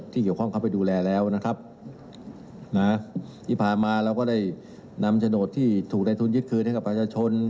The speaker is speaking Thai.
ที่พามาเราก็ได้นำโฉนดที่ถูกในทุนยึดคืนให้กับประชาชน